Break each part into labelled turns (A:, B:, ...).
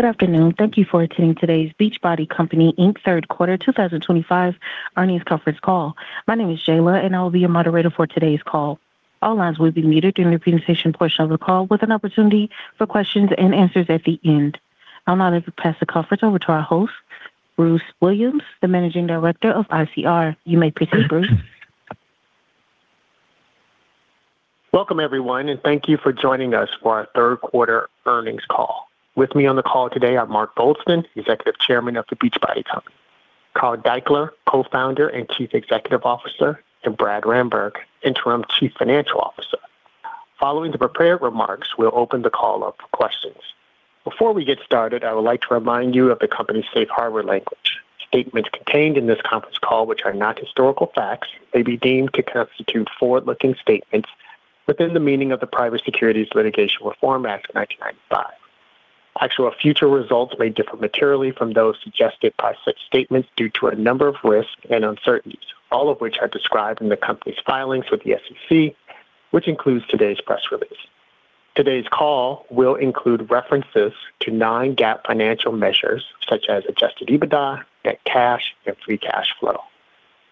A: Good afternoon. Thank you for attending today's The Beachbody Company third quarter 2025 earnings conference call. My name is Jayla, and I will be your moderator for today's call. All lines will be muted during the presentation portion of the call, with an opportunity for questions and answers at the end. I'll now pass the conference over to our host, Bruce Williams, the Managing Director of ICR. You may proceed, Bruce.
B: Welcome, everyone, and thank you for joining us for our third quarter earnings call. With me on the call today are Marc Goldston, Executive Chairman of The Beachbody Company; Carl Daikeler, Co-Founder and Chief Executive Officer; and Brad Ramberg, Interim Chief Financial Officer. Following the prepared remarks, we'll open the call up for questions. Before we get started, I would like to remind you of the company's safe harbor language. Statements contained in this conference call, which are not historical facts, may be deemed to constitute forward-looking statements within the meaning of the Private Securities Litigation Reform Act of 1995. Actual future results may differ materially from those suggested by such statements due to a number of risks and uncertainties, all of which are described in the company's filings with the SEC, which includes today's press release. Today's call will include references to non-GAAP financial measures, such as Adjusted EBITDA, net cash, and free cash flow.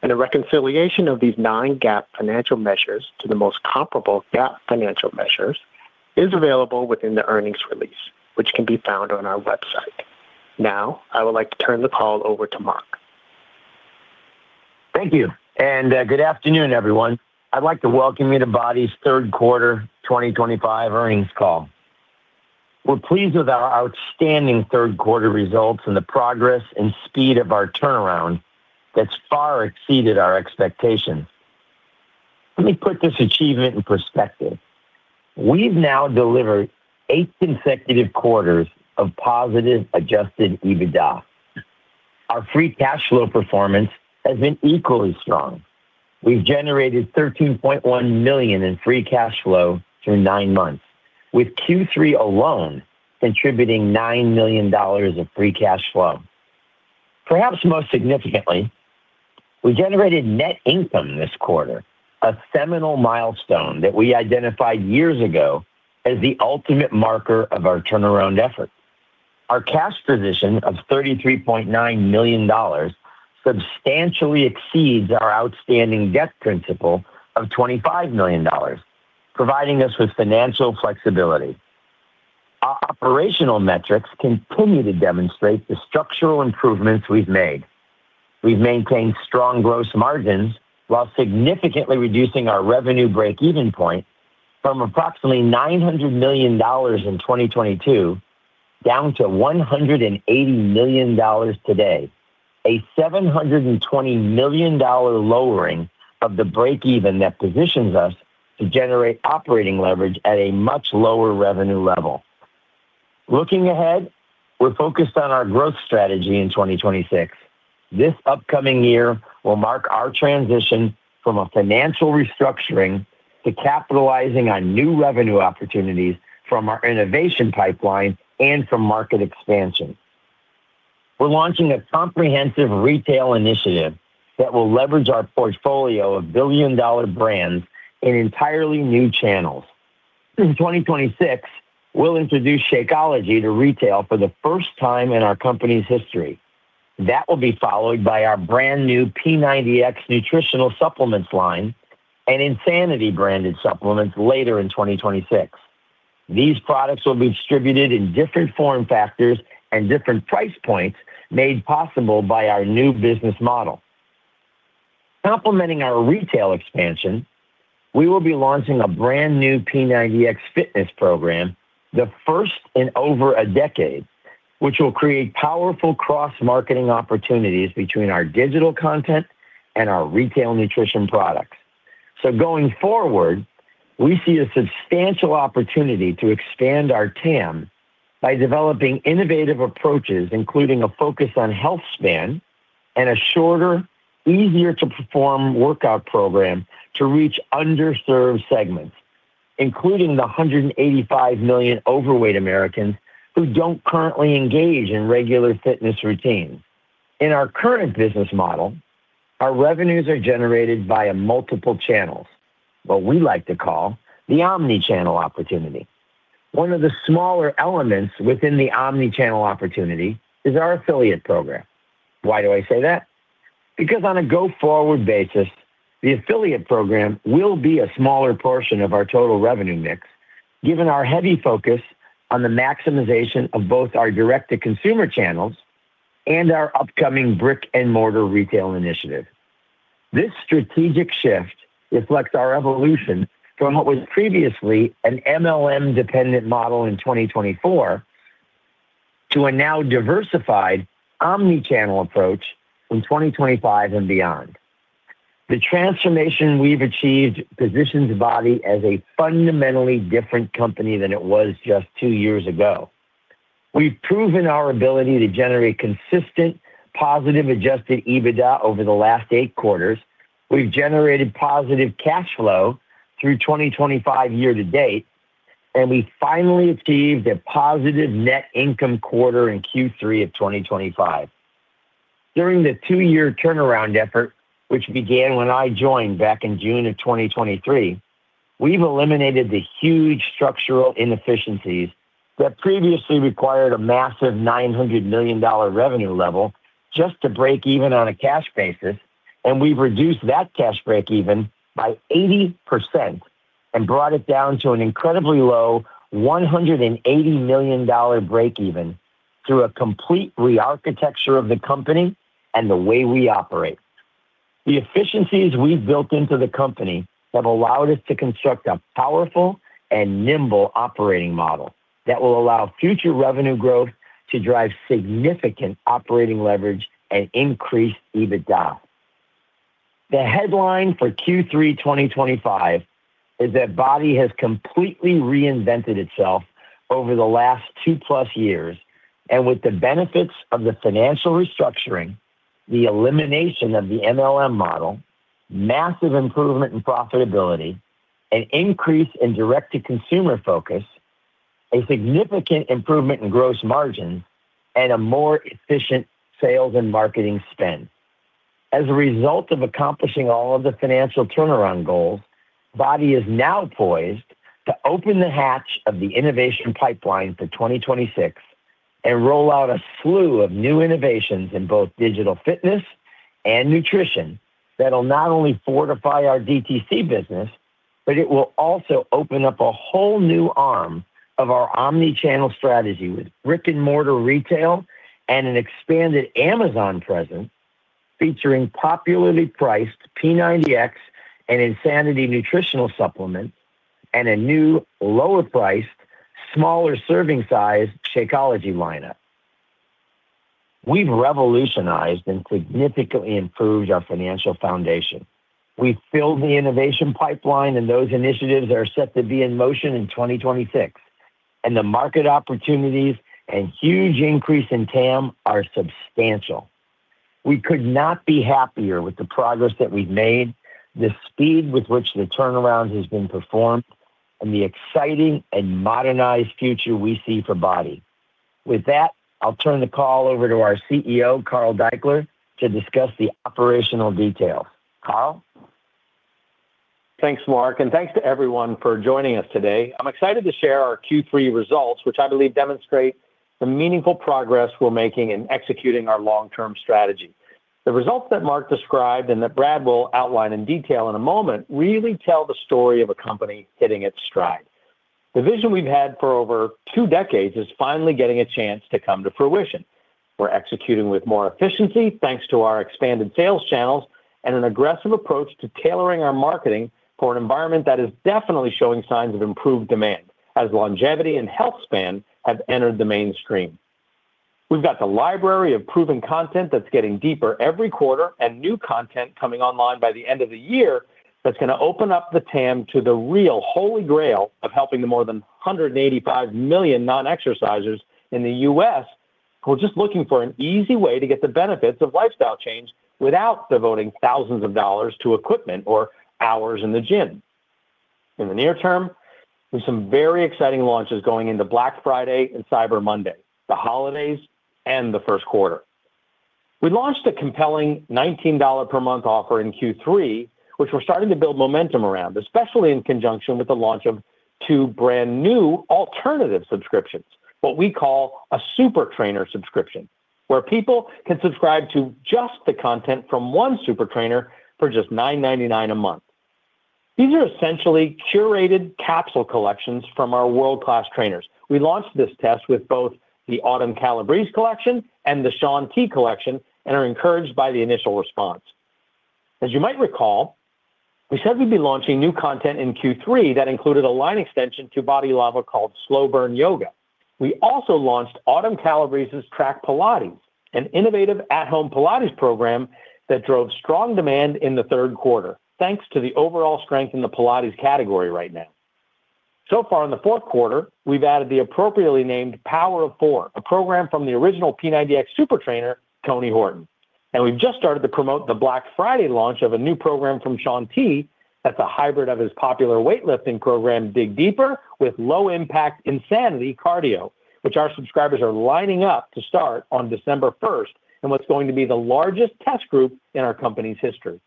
B: A reconciliation of these non-GAAP financial measures to the most comparable GAAP financial measures is available within the earnings release, which can be found on our website. Now, I would like to turn the call over to Marc.
C: Thank you, and good afternoon, everyone. I'd like to welcome you to The Beachbody's third quarter 2025 earnings call. We're pleased with our outstanding third quarter results and the progress and speed of our turnaround that's far exceeded our expectations. Let me put this achievement in perspective. We've now delivered eight consecutive quarters of positive Adjusted EBITDA. Our Free Cash Flow performance has been equally strong. We've generated $13.1 million in free cash flow through nine months, with Q3 alone contributing $9 million of free cash flow. Perhaps most significantly, we generated net income this quarter, a seminal milestone that we identified years ago as the ultimate marker of our turnaround effort. Our cash position of $33.9 million substantially exceeds our outstanding debt principal of $25 million, providing us with financial flexibility. Our operational metrics continue to demonstrate the structural improvements we've made. We've maintained strong gross margins while significantly reducing our revenue break-even point from approximately $900 million in 2022 down to $180 million today, a $720 million lowering of the break-even that positions us to generate operating leverage at a much lower revenue level. Looking ahead, we're focused on our growth strategy in 2026. This upcoming year will mark our transition from a financial restructuring to capitalizing on new revenue opportunities from our innovation pipeline and from market expansion. We're launching a comprehensive retail initiative that will leverage our portfolio of billion-dollar brands in entirely new channels. In 2026, we'll introduce Shakeology to retail for the first time in our company's history. That will be followed by our brand new P90X nutritional supplements line and Insanity branded supplements later in 2026. These products will be distributed in different form factors and different price points made possible by our new business model. Complementing our retail expansion, we will be launching a brand new P90X fitness program, the first in over a decade, which will create powerful cross-marketing opportunities between our digital content and our retail nutrition products. Going forward, we see a substantial opportunity to expand our TAM by developing innovative approaches, including a focus on health span and a shorter, easier-to-perform workout program to reach underserved segments, including the 185 million overweight Americans who do not currently engage in regular fitness routines. In our current business model, our revenues are generated via multiple channels, what we like to call the omnichannel opportunity. One of the smaller elements within the omnichannel opportunity is our affiliate program. Why do I say that? Because on a go-forward basis, the affiliate program will be a smaller portion of our total revenue mix, given our heavy focus on the maximization of both our direct-to-consumer channels and our upcoming brick-and-mortar retail initiative. This strategic shift reflects our evolution from what was previously an MLM-dependent model in 2024 to a now diversified omnichannel approach from 2025 and beyond. The transformation we've achieved positions The Beachbody Company as a fundamentally different company than it was just two years ago. We've proven our ability to generate consistent positive Adjusted EBITDA over the last eight quarters. We've generated positive cash flow through 2025 year to date, and we finally achieved a positive Net Income quarter in Q3 of 2025. During the two-year turnaround effort, which began when I joined back in June of 2023, we've eliminated the huge structural inefficiencies that previously required a massive $900 million revenue level just to break even on a cash basis, and we've reduced that cash break even by 80% and brought it down to an incredibly low $180 million break even through a complete re-architecture of the company and the way we operate. The efficiencies we've built into the company have allowed us to construct a powerful and nimble operating model that will allow future revenue growth to drive significant operating leverage and increased EBITDA. The headline for Q3 2025 is that BODi has completely reinvented itself over the last two-plus years, and with the benefits of the financial restructuring, the elimination of the MLM model, massive improvement in profitability, an increase in direct-to-consumer focus, a significant improvement in gross margins, and a more efficient sales and marketing spend. As a result of accomplishing all of the financial turnaround goals, BODi is now poised to open the hatch of the innovation pipeline for 2026 and roll out a slew of new innovations in both digital fitness and nutrition that will not only fortify our DTC business, but it will also open up a whole new arm of our omnichannel strategy with brick-and-mortar retail and an expanded Amazon presence featuring popularly priced P90X and Insanity nutritional supplements and a new lower-priced, smaller serving size Shakeology lineup. We've revolutionized and significantly improved our financial foundation. We've filled the innovation pipeline, and those initiatives are set to be in motion in 2026, and the market opportunities and huge increase in TAM are substantial. We could not be happier with the progress that we've made, the speed with which the turnaround has been performed, and the exciting and modernized future we see for BODi. With that, I'll turn the call over to our CEO, Carl Daikeler, to discuss the operational details. Carl?
D: Thanks, Marc, and thanks to everyone for joining us today. I'm excited to share our Q3 results, which I believe demonstrate the meaningful progress we're making in executing our long-term strategy. The results that Marc described and that Brad will outline in detail in a moment really tell the story of a company hitting its stride. The vision we've had for over two decades is finally getting a chance to come to fruition. We're executing with more efficiency thanks to our expanded sales channels and an aggressive approach to tailoring our marketing for an environment that is definitely showing signs of improved demand as longevity and health span have entered the mainstream. We've got the library of proven content that's getting deeper every quarter and new content coming online by the end of the year that's going to open up the TAM to the real holy grail of helping the more than 185 million non-exercisers in the U.S. who are just looking for an easy way to get the benefits of lifestyle change without devoting thousands of dollars to equipment or hours in the gym. In the near term, we have some very exciting launches going into Black Friday and Cyber Monday, the holidays, and the first quarter. We launched a compelling $19 per month offer in Q3, which we're starting to build momentum around, especially in conjunction with the launch of two brand new alternative subscriptions, what we call a super trainer subscription, where people can subscribe to just the content from one super trainer for just $9.99 a month. These are essentially curated capsule collections from our world-class trainers. We launched this test with both the Autumn Calabrese collection and the Shaun T collection and are encouraged by the initial response. As you might recall, we said we'd be launching new content in Q3 that included a line extension to BODi Lava called Slow Burn Yoga. We also launched Autumn Calabrese's Track Pilates, an innovative at-home Pilates program that drove strong demand in the third quarter, thanks to the overall strength in the Pilates category right now. So far in the fourth quarter, we've added the appropriately named Power of Four, a program from the original P90X super trainer, Tony Horton. We have just started to promote the Black Friday launch of a new program from Shaun T that is a hybrid of his popular weightlifting program, Dig Deeper, with low-impact Insanity cardio, which our subscribers are lining up to start on December 1 in what is going to be the largest test group in our company's history.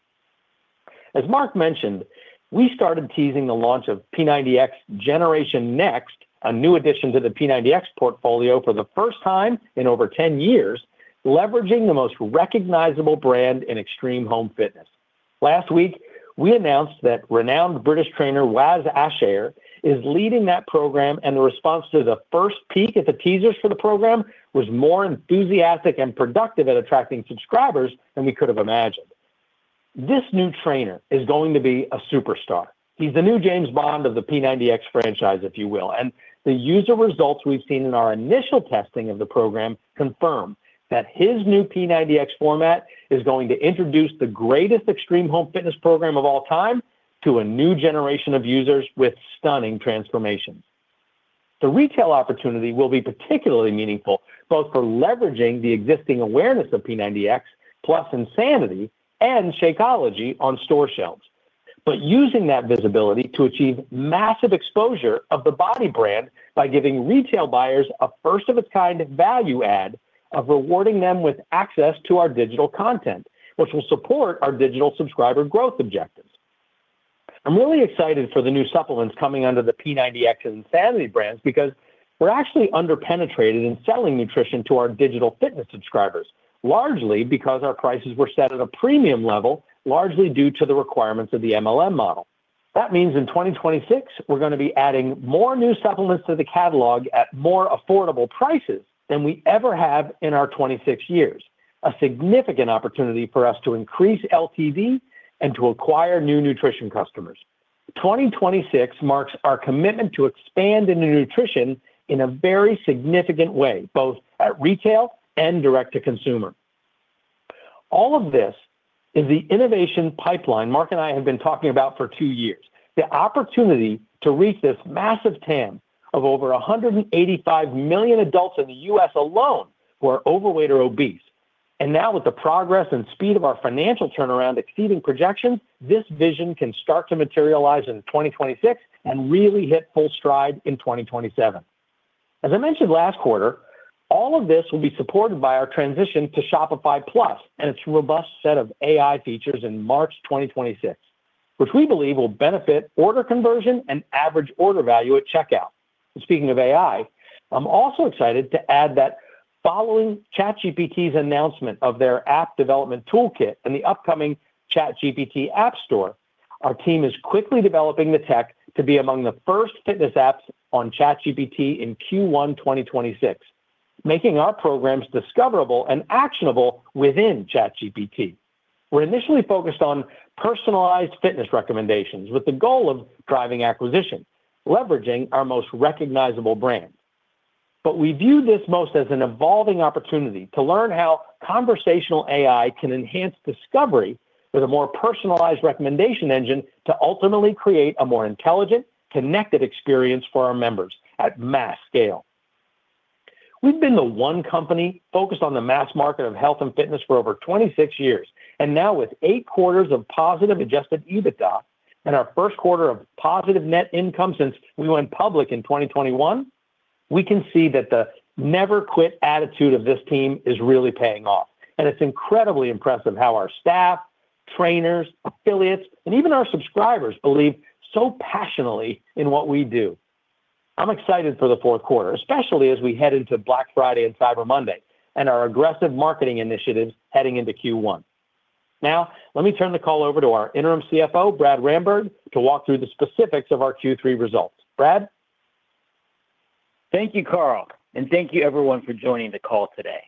D: As Marc mentioned, we started teasing the launch of P90X Generation Next, a new addition to the P90X portfolio for the first time in over 10 years, leveraging the most recognizable brand in extreme home fitness. Last week, we announced that renowned British trainer Waz Asher is leading that program, and the response to the first peek at the teasers for the program was more enthusiastic and productive at attracting subscribers than we could have imagined. This new trainer is going to be a superstar. He's the new James Bond of the P90X franchise, if you will, and the user results we've seen in our initial testing of the program confirm that his new P90X format is going to introduce the greatest extreme home fitness program of all time to a new generation of users with stunning transformations. The retail opportunity will be particularly meaningful both for leveraging the existing awareness of P90X plus Insanity and Shakeology on store shelves, but using that visibility to achieve massive exposure of the BODi brand by giving retail buyers a first-of-its-kind value add of rewarding them with access to our digital content, which will support our digital subscriber growth objectives. I'm really excited for the new supplements coming under the P90X and Insanity brands because we're actually underpenetrated in selling nutrition to our digital fitness subscribers, largely because our prices were set at a premium level, largely due to the requirements of the MLM model. That means in 2026, we're going to be adding more new supplements to the catalog at more affordable prices than we ever have in our 26 years, a significant opportunity for us to increase LTV and to acquire new nutrition customers. 2026 marks our commitment to expand into nutrition in a very significant way, both at retail and direct-to-consumer. All of this is the innovation pipeline Marc and I have been talking about for two years, the opportunity to reach this massive TAM of over 185 million adults in the U.S. alone who are overweight or obese. Now, with the progress and speed of our financial turnaround exceeding projections, this vision can start to materialize in 2026 and really hit full stride in 2027. As I mentioned last quarter, all of this will be supported by our transition to Shopify Plus and its robust set of AI features in March 2026, which we believe will benefit order conversion and average order value at checkout. Speaking of AI, I'm also excited to add that following ChatGPT's announcement of their app development toolkit and the upcoming ChatGPT App Store, our team is quickly developing the tech to be among the first fitness apps on ChatGPT in Q1 2026, making our programs discoverable and actionable within ChatGPT. We're initially focused on personalized fitness recommendations with the goal of driving acquisition, leveraging our most recognizable brand. We view this most as an evolving opportunity to learn how conversational AI can enhance discovery with a more personalized recommendation engine to ultimately create a more intelligent, connected experience for our members at mass scale. We've been the one company focused on the mass market of health and fitness for over 26 years, and now with eight quarters of positive Adjusted EBITDA and our first quarter of positive net income since we went public in 2021, we can see that the never-quit attitude of this team is really paying off, and it's incredibly impressive how our staff, trainers, affiliates, and even our subscribers believe so passionately in what we do. I'm excited for the fourth quarter, especially as we head into Black Friday and Cyber Monday and our aggressive marketing initiatives heading into Q1. Now, let me turn the call over to our Interim CFO, Brad Ramberg, to walk through the specifics of our Q3 results. Brad?
E: Thank you, Carl, and thank you everyone for joining the call today.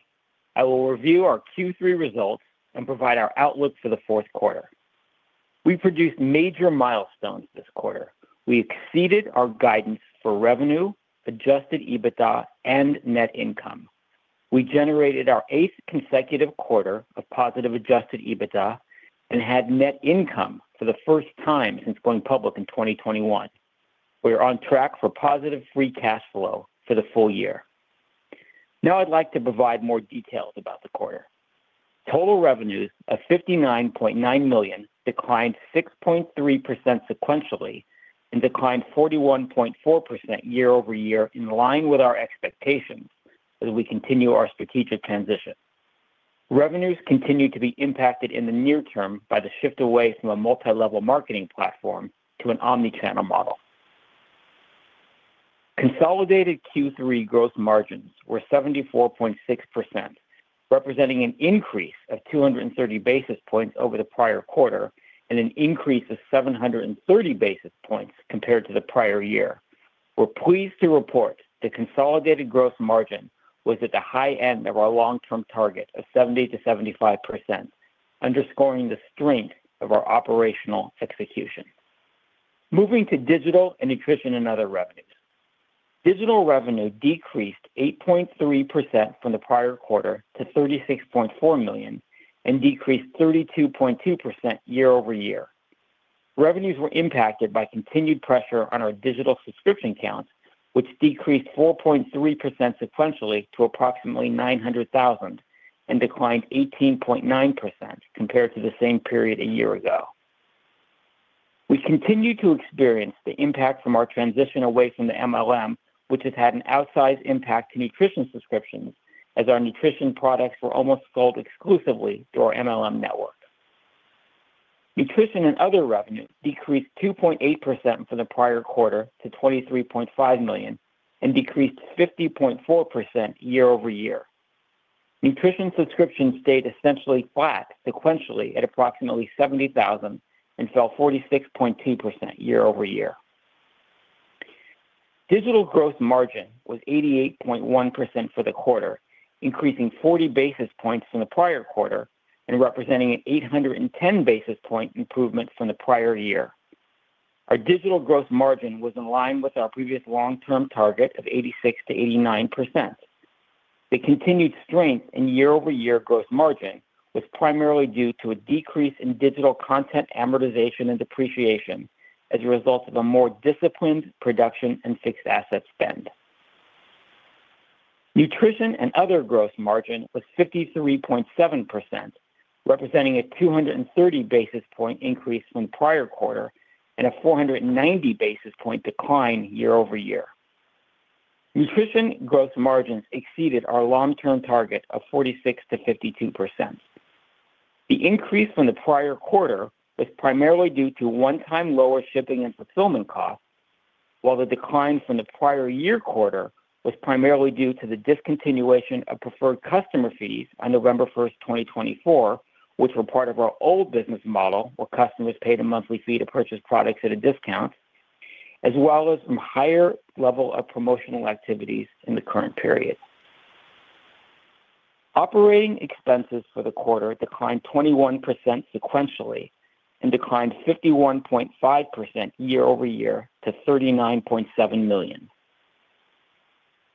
E: I will review our Q3 results and provide our outlook for the fourth quarter. We produced major milestones this quarter. We exceeded our guidance for revenue, Adjusted EBITDA, and net income. We generated our eighth consecutive quarter of positive Adjusted EBITDA and had Net Income for the first time since going public in 2021. We are on track for positive free cash flow for the full year. Now, I'd like to provide more details about the quarter. Total revenues of $59.9 million declined 6.3% sequentially and declined 41.4% year over year in line with our expectations as we continue our strategic transition. Revenues continue to be impacted in the near term by the shift away from a multi-level marketing platform to an omnichannel model. Consolidated Q3 gross margins were 74.6%, representing an increase of 230 basis points over the prior quarter and an increase of 730 basis points compared to the prior year. We're pleased to report the consolidated gross margin was at the high end of our long-term target of 70-75%, underscoring the strength of our operational execution. Moving to digital and nutrition and other revenues. Digital revenue decreased 8.3% from the prior quarter to $36.4 million and decreased 32.2% year over year. Revenues were impacted by continued pressure on our digital subscription counts, which decreased 4.3% sequentially to approximately 900,000 and declined 18.9% compared to the same period a year ago. We continue to experience the impact from our transition away from the MLM, which has had an outsized impact to nutrition subscriptions as our nutrition products were almost sold exclusively through our MLM network. Nutrition and other revenue decreased 2.8% from the prior quarter to $23.5 million and decreased 50.4% year over year. Nutrition subscriptions stayed essentially flat sequentially at approximately 70,000 and fell 46.2% year over year. Digital gross margin was 88.1% for the quarter, increasing 40 basis points from the prior quarter and representing an 810 basis point improvement from the prior year. Our digital gross margin was in line with our previous long-term target of 86-89%. The continued strength in year-over-year gross margin was primarily due to a decrease in digital content amortization and depreciation as a result of a more disciplined production and fixed asset spend. Nutrition and other gross margin was 53.7%, representing a 230 basis point increase from the prior quarter and a 490 basis point decline year over year. Nutrition gross margins exceeded our long-term target of 46-52%. The increase from the prior quarter was primarily due to one-time lower shipping and fulfillment costs, while the decline from the prior year quarter was primarily due to the discontinuation of preferred customer fees on November 1, 2024, which were part of our old business model where customers paid a monthly fee to purchase products at a discount, as well as from higher level of promotional activities in the current period. Operating expenses for the quarter declined 21% sequentially and declined 51.5% year over year to $39.7 million.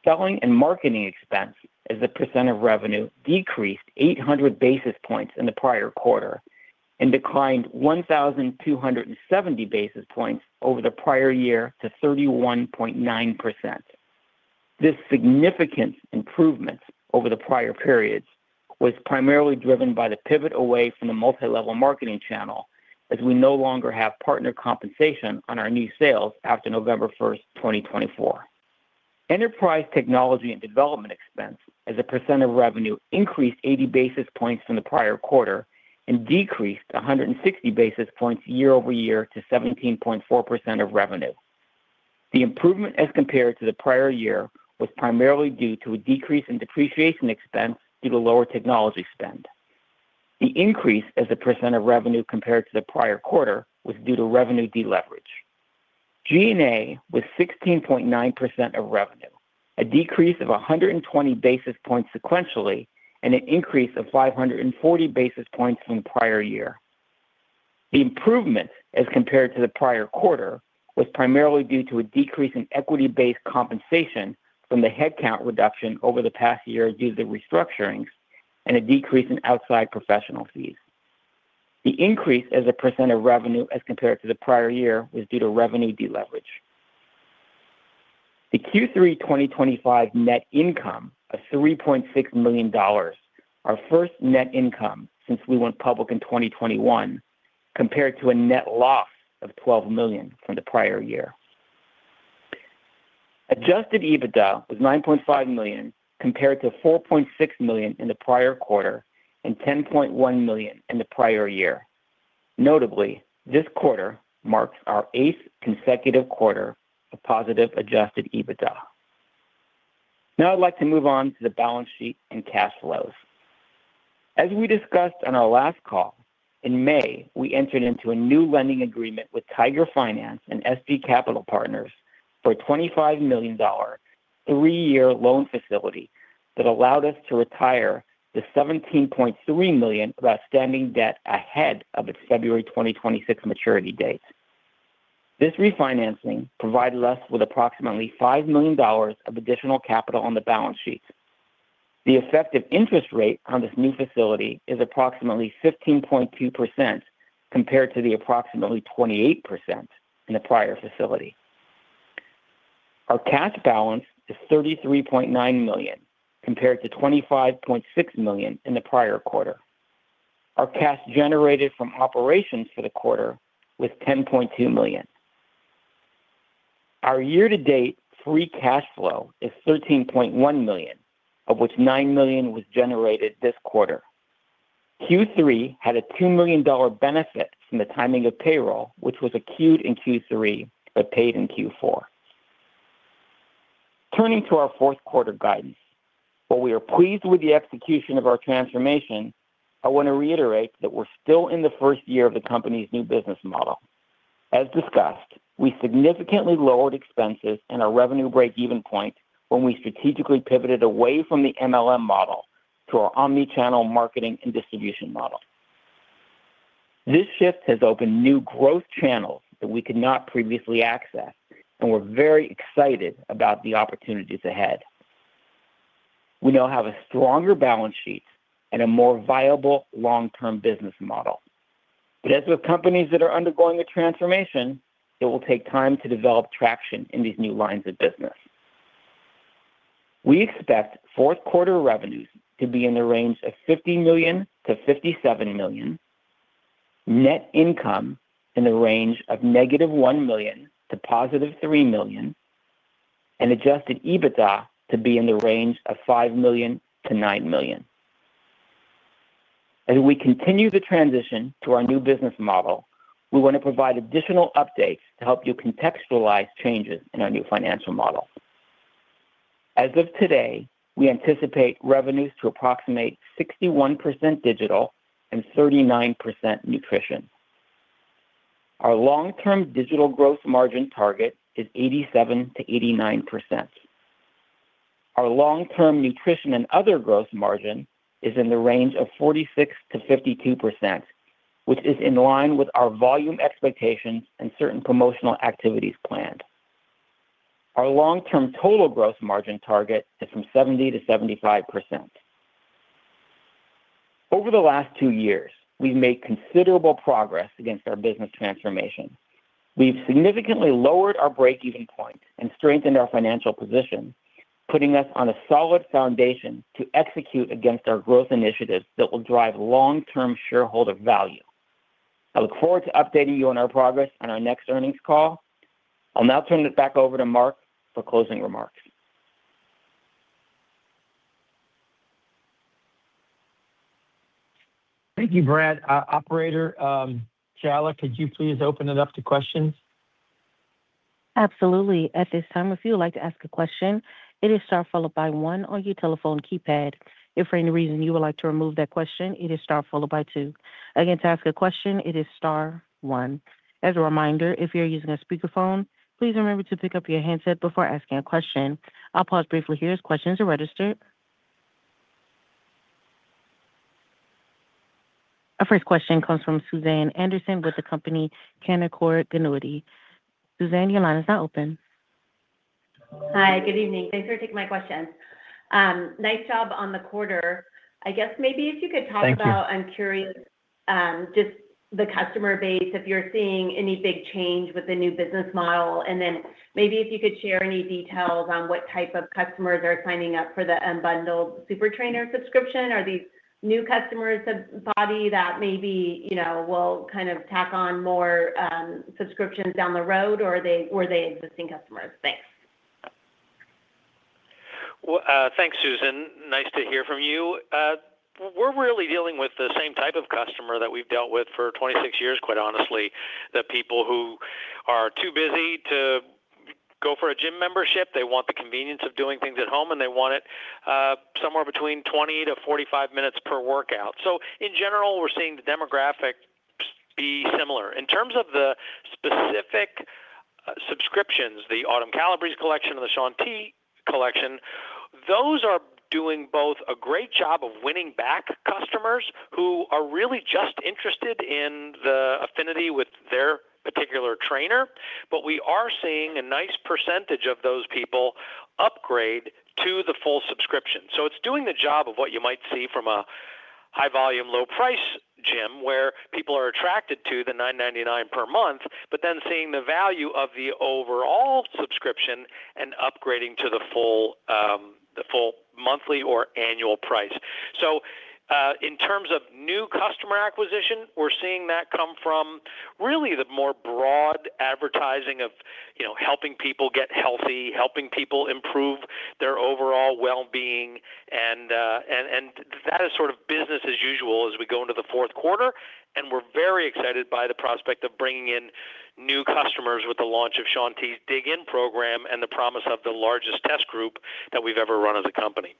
E: Selling and marketing expenses as a percent of revenue decreased 800 basis points in the prior quarter and declined 1,270 basis points over the prior year to 31.9%. This significant improvement over the prior periods was primarily driven by the pivot away from the multi-level marketing channel as we no longer have partner compensation on our new sales after November 1, 2024. Enterprise technology and development expenses as a percent of revenue increased 80 basis points from the prior quarter and decreased 160 basis points year over year to 17.4% of revenue. The improvement as compared to the prior year was primarily due to a decrease in depreciation expense due to lower technology spend. The increase as a percent of revenue compared to the prior quarter was due to revenue deleverage. G&A was 16.9% of revenue, a decrease of 120 basis points sequentially, and an increase of 540 basis points from the prior year. The improvement as compared to the prior quarter was primarily due to a decrease in equity-based compensation from the headcount reduction over the past year due to the restructurings and a decrease in outside professional fees. The increase as a percent of revenue as compared to the prior year was due to revenue deleverage. The Q3 2025 net income of $3.6 million, our first net income since we went public in 2021, compared to a net loss of $12 million from the prior year. Adjusted EBITDA was $9.5 million compared to $4.6 million in the prior quarter and $10.1 million in the prior year. Notably, this quarter marks our eighth consecutive quarter of positive adjusted EBITDA. Now, I'd like to move on to the balance sheet and cash flows. As we discussed on our last call, in May, we entered into a new lending agreement with Tiger Finance and SG Capital Partners for a $25 million three-year loan facility that allowed us to retire the $17.3 million of outstanding debt ahead of its February 2026 maturity date. This refinancing provided us with approximately $5 million of additional capital on the balance sheet. The effective interest rate on this new facility is approximately 15.2% compared to the approximately 28% in the prior facility. Our cash balance is $33.9 million compared to $25.6 million in the prior quarter. Our cash generated from operations for the quarter was $10.2 million. Our year-to-date free cash flow is $13.1 million, of which $9 million was generated this quarter. Q3 had a $2 million benefit from the timing of payroll, which was accrued in Q3 but paid in Q4. Turning to our fourth quarter guidance, while we are pleased with the execution of our transformation, I want to reiterate that we're still in the first year of the company's new business model. As discussed, we significantly lowered expenses and our revenue break-even point when we strategically pivoted away from the MLM model to our omnichannel marketing and distribution model. This shift has opened new growth channels that we could not previously access, and we're very excited about the opportunities ahead. We now have a stronger balance sheet and a more viable long-term business model. As with companies that are undergoing a transformation, it will take time to develop traction in these new lines of business. We expect fourth quarter revenues to be in the range of $50 million-$57 million, net income in the range of negative $1 million to positive $3 million, and adjusted EBITDA to be in the range of $5 million-$9 million. As we continue the transition to our new business model, we want to provide additional updates to help you contextualize changes in our new financial model. As of today, we anticipate revenues to approximate 61% digital and 39% nutrition. Our long-term digital gross margin target is 87%-89%. Our long-term nutrition and other gross margin is in the range of 46-52%, which is in line with our volume expectations and certain promotional activities planned. Our long-term total gross margin target is from 70-75%. Over the last two years, we've made considerable progress against our business transformation. We've significantly lowered our break-even point and strengthened our financial position, putting us on a solid foundation to execute against our growth initiatives that will drive long-term shareholder value. I look forward to updating you on our progress on our next earnings call. I'll now turn it back over to Marc for closing remarks.
C: Thank you, Brad. Operator, Charlotte, could you please open it up to questions?
F: Absolutely. At this time, if you would like to ask a question, it is star followed by one on your telephone keypad. If for any reason you would like to remove that question, it is star followed by two. Again, to ask a question, it is star one. As a reminder, if you're using a speakerphone, please remember to pick up your handset before asking a question. I'll pause briefly here as questions are registered. Our first question comes from Suzanne Anderson with the company Canaccord Genuity. Suzanne, your line is now open.
G: Hi, good evening. Thanks for taking my question. Nice job on the quarter. I guess maybe if you could talk about.
F: Thanks.
G: I'm curious, just the customer base, if you're seeing any big change with the new business model, and then maybe if you could share any details on what type of customers are signing up for the Unbundled Super Trainer subscription. Are these new customers of the BODi that maybe will kind of tack on more subscriptions down the road, or were they existing customers? Thanks.
D: Thanks, Susan. Nice to hear from you. We're really dealing with the same type of customer that we've dealt with for 26 years, quite honestly, the people who are too busy to go for a gym membership. They want the convenience of doing things at home, and they want it somewhere between 20-45 minutes per workout. In general, we're seeing the demographic be similar. In terms of the specific subscriptions, the Autumn Calabrese collection and the Shaun T collection, those are both doing a great job of winning back customers who are really just interested in the affinity with their particular trainer, but we are seeing a nice percentage of those people upgrade to the full subscription. It's doing the job of what you might see from a high-volume, low-price gym where people are attracted to the $9.99 per month, but then seeing the value of the overall subscription and upgrading to the full monthly or annual price. In terms of new customer acquisition, we're seeing that come from really the more broad advertising of helping people get healthy, helping people improve their overall well-being, and that is sort of business as usual as we go into the fourth quarter, and we're very excited by the prospect of bringing in new customers with the launch of Shaun T's Dig Deeper program and the promise of the largest test group that we've ever run as a company.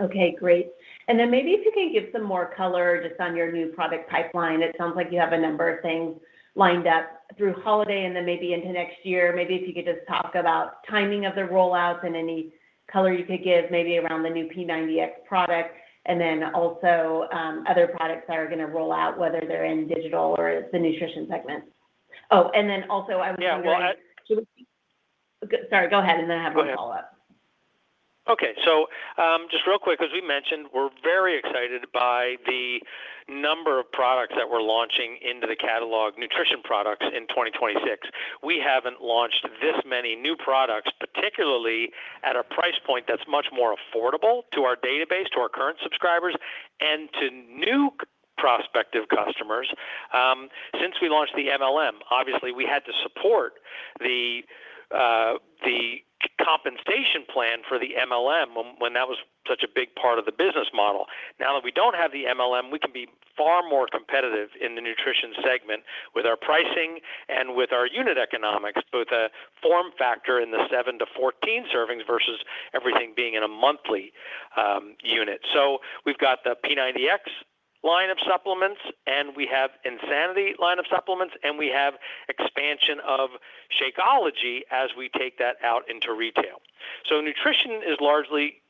G: Okay, great. Maybe if you can give some more color just on your new product pipeline. It sounds like you have a number of things lined up through holiday and then maybe into next year. Maybe if you could just talk about timing of the rollouts and any color you could give maybe around the new P90X product and then also other products that are going to roll out, whether they're in digital or the nutrition segment. Oh, and then also I was.
D: Yeah, well.
G: Sorry, go ahead, and then I have a follow-up.
D: Okay. So just real quick, as we mentioned, we're very excited by the number of products that we're launching into the catalog, nutrition products in 2026. We haven't launched this many new products, particularly at a price point that's much more affordable to our database, to our current subscribers, and to new prospective customers. Since we launched the MLM, obviously, we had to support the compensation plan for the MLM when that was such a big part of the business model. Now that we don't have the MLM, we can be far more competitive in the nutrition segment with our pricing and with our unit economics, both a form factor in the 7-14 servings versus everything being in a monthly unit. We've got the P90X line of supplements, and we have the Insanity line of supplements, and we have expansion of Shakeology as we take that out into retail. Nutrition is largely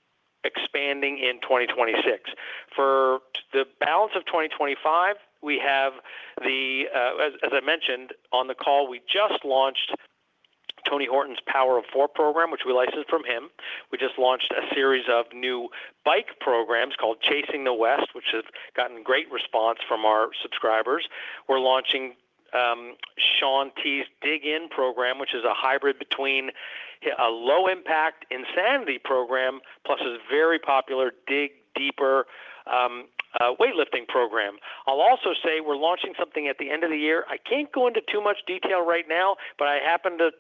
D: expanding in 2026. For the balance of 2025, we have, as I mentioned on the call, we just launched Tony Horton's Power of Four program, which we licensed from him. We just launched a series of new bike programs called Chasing the West, which have gotten great response from our subscribers. We're launching Shaun T's Dig Deeper program, which is a hybrid between a low-impact Insanity program plus a very popular Dig Deeper weightlifting program. I'll also say we're launching something at the end of the year. I can't go into too much detail right now, but I happen to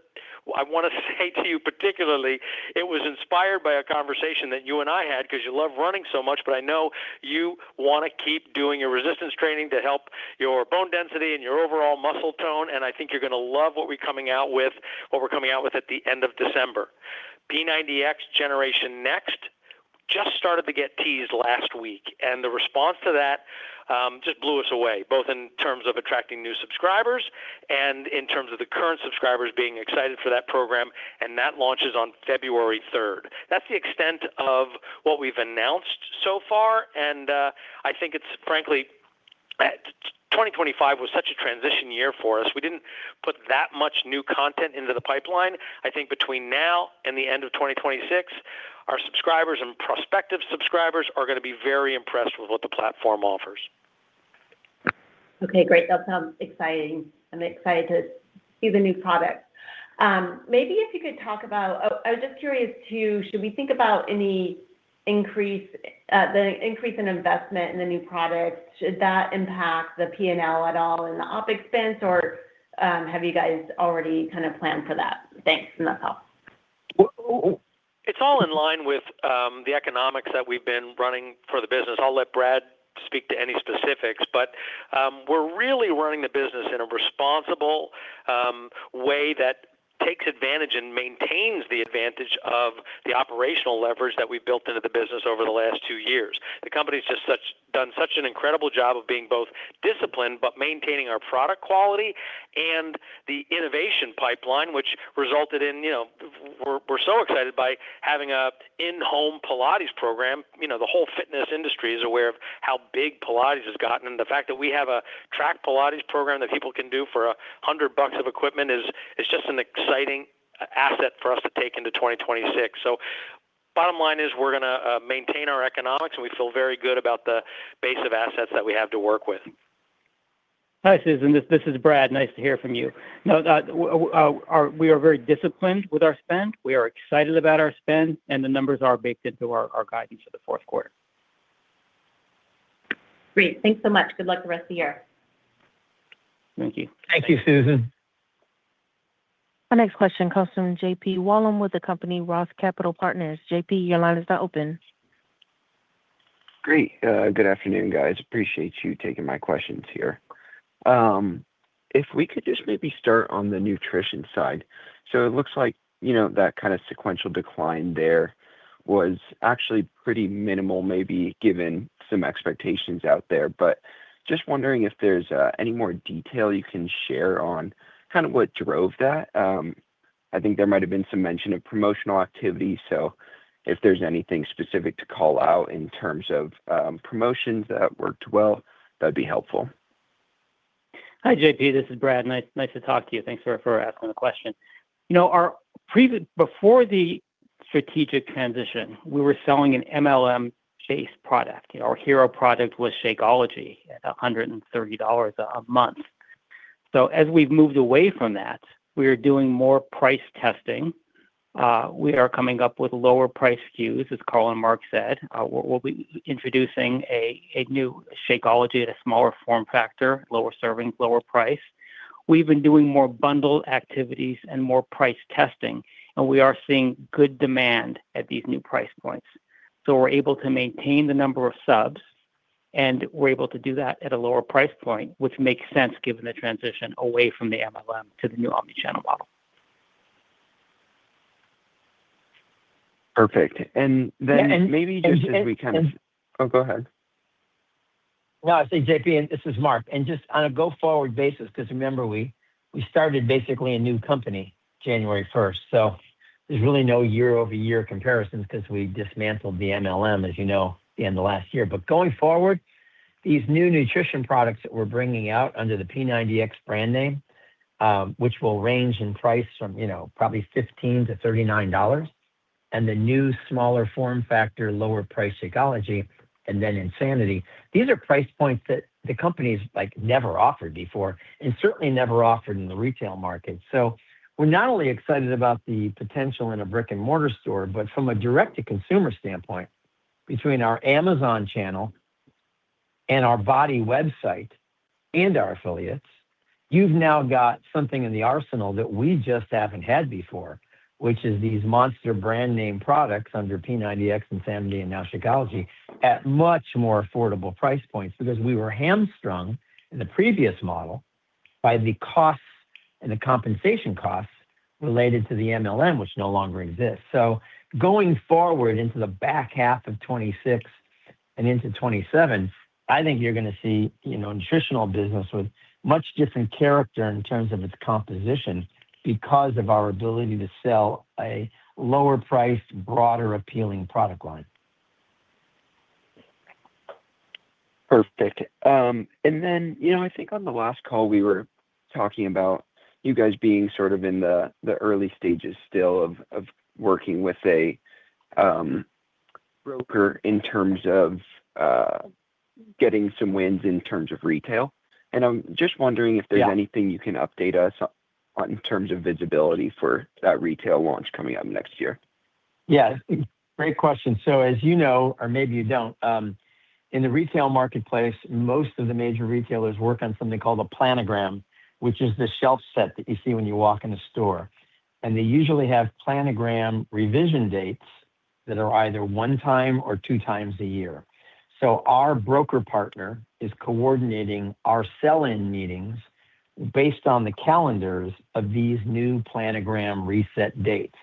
D: want to say to you particularly, it was inspired by a conversation that you and I had because you love running so much, but I know you want to keep doing your resistance training to help your bone density and your overall muscle tone, and I think you're going to love what we're coming out with, what we're coming out with at the end of December. P90X Generation Next just started to get teased last week, and the response to that just blew us away, both in terms of attracting new subscribers and in terms of the current subscribers being excited for that program, and that launches on February 3. That's the extent of what we've announced so far, and I think it's, frankly, 2025 was such a transition year for us. We did not put that much new content into the pipeline. I think between now and the end of 2026, our subscribers and prospective subscribers are going to be very impressed with what the platform offers.
G: Okay, great. That sounds exciting. I'm excited to see the new product. Maybe if you could talk about, oh, I was just curious too, should we think about any increase in investment in the new product, should that impact the P&L at all in the OpEx, or have you guys already kind of planned for that? Thanks, and that's all.
D: It's all in line with the economics that we've been running for the business. I'll let Brad speak to any specifics, but we're really running the business in a responsible way that takes advantage and maintains the advantage of the operational leverage that we've built into the business over the last two years. The company's just done such an incredible job of being both disciplined but maintaining our product quality and the innovation pipeline, which resulted in we're so excited by having an in-home Pilates program. The whole fitness industry is aware of how big Pilates has gotten, and the fact that we have a Track Pilates program that people can do for $100 of equipment is just an exciting asset for us to take into 2026. Bottom line is we're going to maintain our economics, and we feel very good about the base of assets that we have to work with.
C: Hi, Susan. This is Brad. Nice to hear from you. We are very disciplined with our spend. We are excited about our spend, and the numbers are baked into our guidance for the fourth quarter.
G: Great. Thanks so much. Good luck the rest of the year.
C: Thank you.
B: Thank you, Susan.
F: Our next question comes from JP Wallen with ROTH Capital Partners. JP, your line is now open.
H: Great. Good afternoon, guys. Appreciate you taking my questions here. If we could just maybe start on the nutrition side. It looks like that kind of sequential decline there was actually pretty minimal, maybe given some expectations out there. Just wondering if there's any more detail you can share on kind of what drove that. I think there might have been some mention of promotional activity, so if there's anything specific to call out in terms of promotions that worked well, that'd be helpful.
C: Hi, JP. This is Brad. Nice to talk to you. Thanks for asking the question. Before the strategic transition, we were selling an MLM-based product. Our hero product was Shakeology at $130 a month. As we've moved away from that, we are doing more price testing. We are coming up with lower-priced SKUs, as Carl and Marc said. We'll be introducing a new Shakeology at a smaller form factor, lower servings, lower price. We've been doing more bundled activities and more price testing, and we are seeing good demand at these new price points. We are able to maintain the number of subs, and we are able to do that at a lower price point, which makes sense given the transition away from the MLM to the new omnichannel model.
H: Perfect. And then maybe just as we kind of.
C: And then.
H: Oh, go ahead.
C: No, I said JP, and this is Marc. Just on a go-forward basis, because remember, we started basically a new company January 1, so there's really no year-over-year comparisons because we dismantled the MLM, as you know, at the end of last year. Going forward, these new nutrition products that we're bringing out under the P90X brand name, which will range in price from probably $15-$39, and the new smaller form factor, lower-priced Shakeology, and then Insanity, these are price points that the company has never offered before and certainly never offered in the retail market. We're not only excited about the potential in a brick-and-mortar store, but from a direct-to-consumer standpoint, between our Amazon channel and our BODi website and our affiliates, you've now got something in the arsenal that we just haven't had before, which is these monster brand-name products under P90X, Insanity, and now Shakeology at much more affordable price points because we were hamstrung in the previous model by the costs and the compensation costs related to the MLM, which no longer exists. Going forward into the back half of 2026 and into 2027, I think you're going to see nutritional business with much different character in terms of its composition because of our ability to sell a lower-priced, broader appealing product line.
H: Perfect. I think on the last call, we were talking about you guys being sort of in the early stages still of working with a broker in terms of getting some wins in terms of retail. I'm just wondering if there's anything you can update us on in terms of visibility for that retail launch coming up next year.
C: Yeah. Great question. As you know, or maybe you don't, in the retail marketplace, most of the major retailers work on something called a planogram, which is the shelf set that you see when you walk in a store. They usually have planogram revision dates that are either one time or two times a year. Our broker partner is coordinating our sell-in meetings based on the calendars of these new planogram reset dates.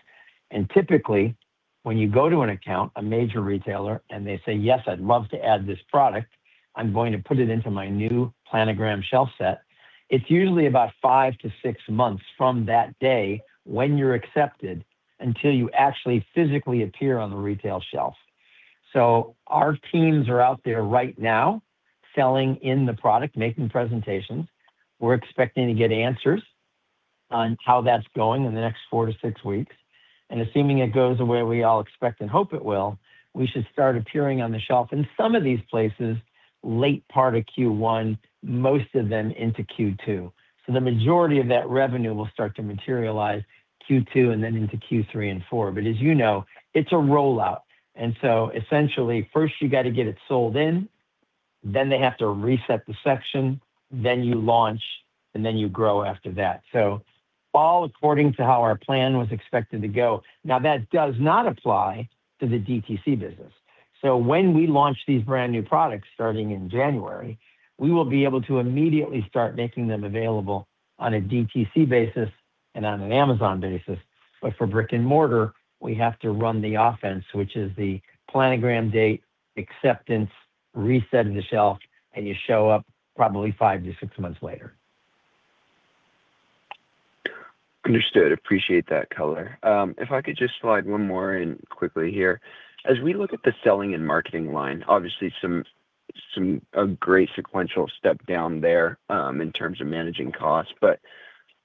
C: Typically, when you go to an account, a major retailer, and they say, "Yes, I'd love to add this product. I'm going to put it into my new planogram shelf set," it's usually about five to six months from that day when you're accepted until you actually physically appear on the retail shelf. Our teams are out there right now selling in the product, making presentations. We're expecting to get answers on how that's going in the next four to six weeks. Assuming it goes the way we all expect and hope it will, we should start appearing on the shelf in some of these places late part of Q1, most of them into Q2. The majority of that revenue will start to materialize Q2 and then into Q3 and Q4. As you know, it's a rollout. Essentially, first you got to get it sold in, then they have to reset the section, then you launch, and then you grow after that. All according to how our plan was expected to go. Now, that does not apply to the DTC business. When we launch these brand new products starting in January, we will be able to immediately start making them available on a DTC basis and on an Amazon basis. For brick-and-mortar, we have to run the offense, which is the planogram date, acceptance, reset of the shelf, and you show up probably five to six months later.
H: Understood. Appreciate that, Collyns. If I could just slide one more in quickly here. As we look at the selling and marketing line, obviously, a great sequential step down there in terms of managing costs.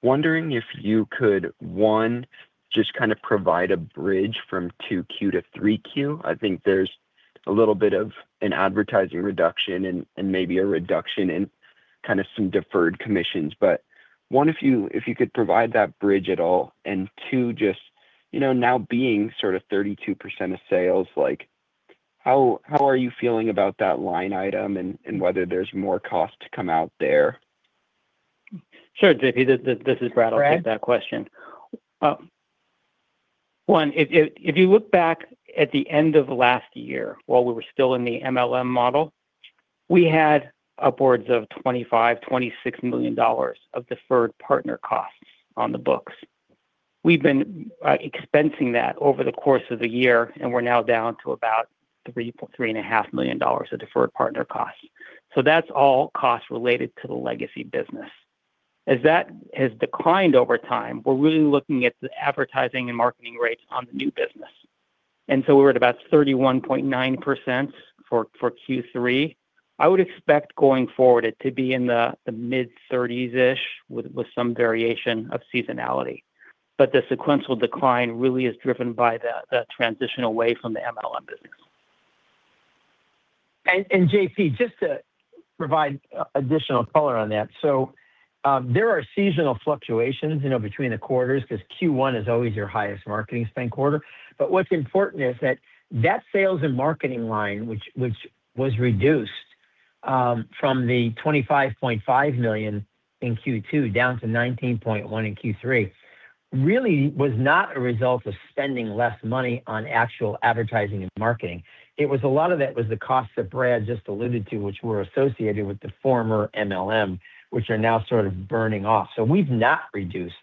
H: Wondering if you could, one, just kind of provide a bridge from 2Q to 3Q. I think there is a little bit of an advertising reduction and maybe a reduction in kind of some deferred commissions. One, if you could provide that bridge at all. Two, just now being sort of 32% of sales, how are you feeling about that line item and whether there is more cost to come out there?
C: Sure, JP. This is Brad, I'll take that question. One, if you look back at the end of last year while we were still in the MLM model, we had upwards of $25 million, $26 million of deferred partner costs on the books. We've been expensing that over the course of the year, and we're now down to about $3.5 million of deferred partner costs. So that's all cost related to the legacy business. As that has declined over time, we're really looking at the advertising and marketing rates on the new business. We're at about 31.9% for Q3. I would expect going forward it to be in the mid-30s-ish with some variation of seasonality. The sequential decline really is driven by the transition away from the MLM business.
B: JP, just to provide additional color on that, there are seasonal fluctuations between the quarters because Q1 is always your highest marketing spend quarter. What is important is that that sales and marketing line, which was reduced from $25.5 million in Q2 down to $19.1 million in Q3, really was not a result of spending less money on actual advertising and marketing. A lot of that was the costs that Brad just alluded to, which were associated with the former MLM, which are now sort of burning off. We have not reduced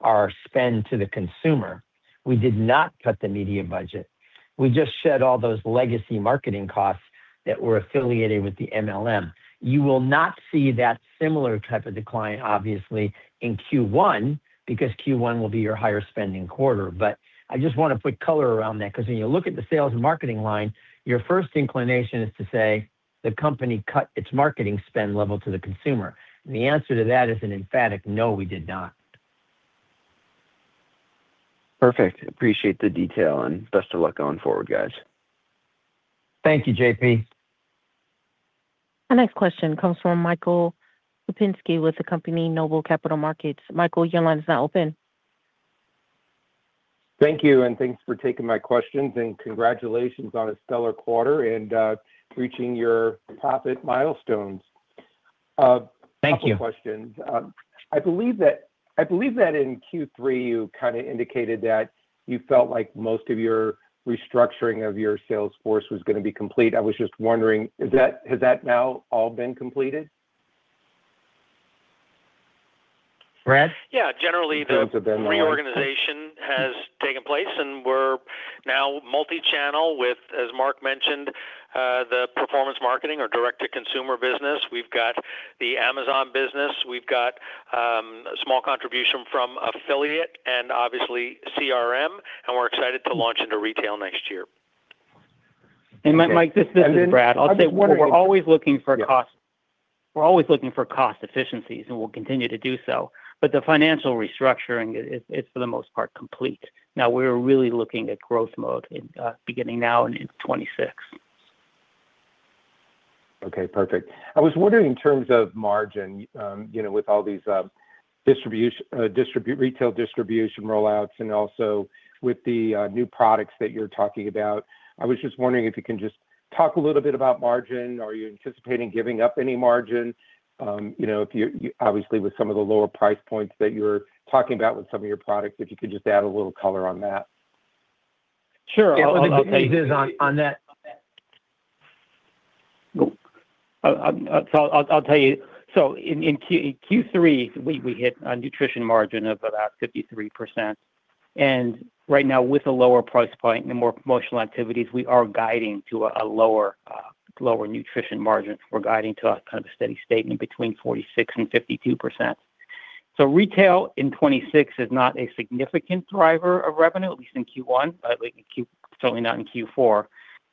B: our spend to the consumer. We did not cut the media budget. We just shed all those legacy marketing costs that were affiliated with the MLM. You will not see that similar type of decline, obviously, in Q1 because Q1 will be your higher spending quarter. I just want to put color around that because when you look at the sales and marketing line, your first inclination is to say the company cut its marketing spend level to the consumer. The answer to that is an emphatic no, we did not.
H: Perfect. Appreciate the detail and best of luck going forward, guys.
B: Thank you, JP.
F: Our next question comes from Michael Lapinsky with Noble Capital Markets. Michael, your line is now open.
I: Thank you. Thanks for taking my questions. Congratulations on a stellar quarter and reaching your profit milestones.
B: Thank you.
I: Final questions. I believe that in Q3, you kind of indicated that you felt like most of your restructuring of your sales force was going to be complete. I was just wondering, has that now all been completed?
B: Brad?
D: Yeah. Generally, the reorganization has taken place, and we're now multi-channel with, as Marc mentioned, the performance marketing or direct-to-consumer business. We've got the Amazon business. We've got a small contribution from affiliate and obviously CRM, and we're excited to launch into retail next year.
C: Mike, this is Brad. I'll say we're always looking for cost. We're always looking for cost efficiencies, and we'll continue to do so. The financial restructuring is, for the most part, complete. Now, we're really looking at growth mode beginning now in 2026. Okay. Perfect. I was wondering in terms of margin with all these retail distribution rollouts and also with the new products that you're talking about. I was just wondering if you can just talk a little bit about margin. Are you anticipating giving up any margin? Obviously, with some of the lower price points that you're talking about with some of your products, if you could just add a little color on that.
B: Sure. I'll tell you. In Q3, we hit a nutrition margin of about 53%. Right now, with a lower price point and more promotional activities, we are guiding to a lower nutrition margin. We're guiding to kind of a steady state in between 46-52%. Retail in 2026 is not a significant driver of revenue, at least in Q1, certainly not in Q4.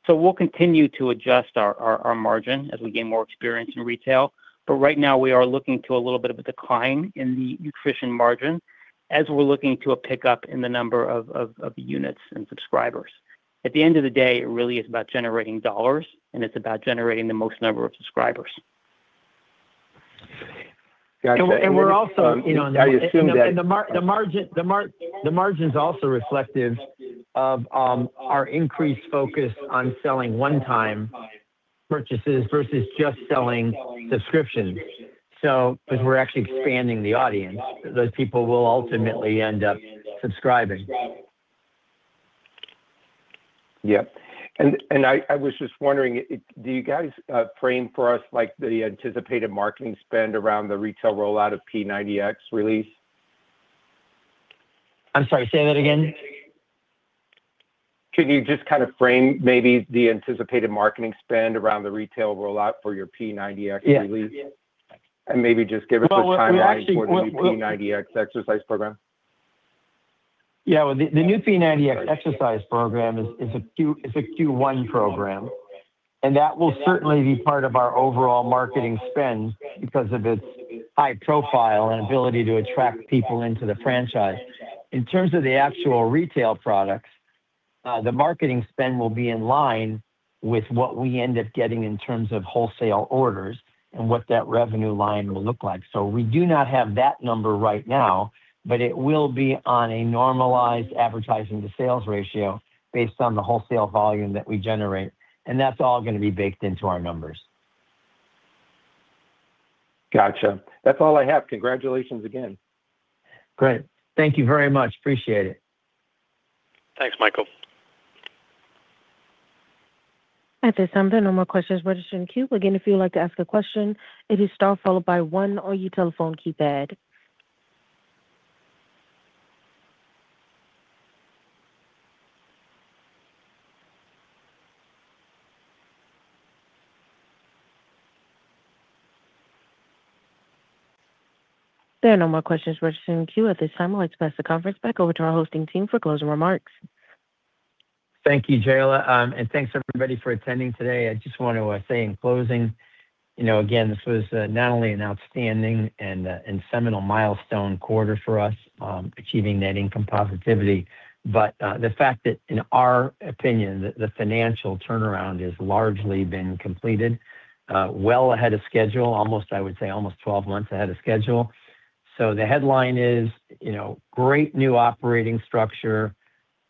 B: We'll continue to adjust our margin as we gain more experience in retail. Right now, we are looking to a little bit of a decline in the nutrition margin as we're looking to a pickup in the number of units and subscribers. At the end of the day, it really is about generating dollars, and it's about generating the most number of subscribers.
C: Gotcha.
B: The margin is also reflective of our increased focus on selling one-time purchases versus just selling subscriptions. Because we're actually expanding the audience, those people will ultimately end up subscribing.
C: Yep. I was just wondering, do you guys frame for us the anticipated marketing spend around the retail rollout of P90X release?
B: I'm sorry. Say that again.
C: Can you just kind of frame maybe the anticipated marketing spend around the retail rollout for your P90X release?
B: Yes.
C: Maybe just give us a timeline for the new P90X exercise program?
B: Yeah. The new P90X exercise program is a Q1 program, and that will certainly be part of our overall marketing spend because of its high profile and ability to attract people into the franchise. In terms of the actual retail products, the marketing spend will be in line with what we end up getting in terms of wholesale orders and what that revenue line will look like. We do not have that number right now, but it will be on a normalized advertising-to-sales ratio based on the wholesale volume that we generate. That is all going to be baked into our numbers.
C: Gotcha. That's all I have. Congratulations again.
B: Great. Thank you very much. Appreciate it.
D: Thanks, Michael.
F: At this time, there are no more questions regarding Q. Again, if you would like to ask a question, it is star followed by 1 on your telephone keypad. There are no more questions regarding Q. At this time, I'd like to pass the conference back over to our hosting team for closing remarks.
C: Thank you, Jayla. Thank you, everybody, for attending today. I just want to say in closing, again, this was not only an outstanding and seminal milestone quarter for us achieving net income positivity, but the fact that, in our opinion, the financial turnaround has largely been completed well ahead of schedule, almost, I would say, almost 12 months ahead of schedule. The headline is great new operating structure,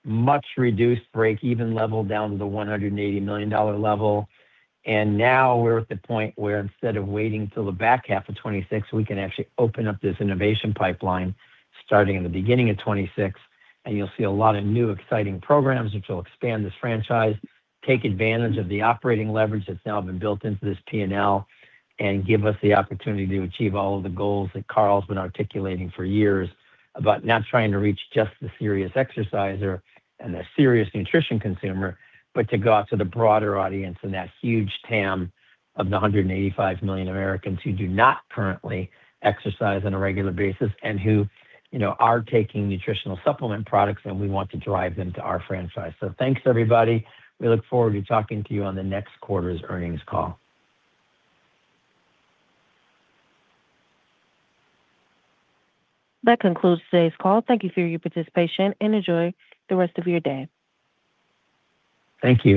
C: much reduced break-even level down to the $180 million level. Now we're at the point where instead of waiting till the back half of 2026, we can actually open up this innovation pipeline starting at the beginning of 2026. You will see a lot of new exciting programs which will expand this franchise, take advantage of the operating leverage that has now been built into this P&L, and give us the opportunity to achieve all of the goals that Carl has been articulating for years about not trying to reach just the serious exerciser and the serious nutrition consumer, but to go out to the broader audience and that huge TAM of the 185 million Americans who do not currently exercise on a regular basis and who are taking nutritional supplement products, and we want to drive them to our franchise. Thanks, everybody. We look forward to talking to you on the next quarter's earnings call.
F: That concludes today's call. Thank you for your participation and enjoy the rest of your day.
C: Thank you.